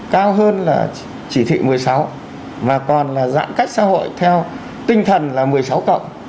cao hơn là chỉ thị một mươi sáu mà còn là giãn cách xã hội theo tinh thần là một mươi sáu cộng